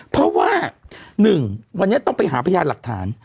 เพราะว่า๑วันนี้ต้องไปหาพยานหลักฐาน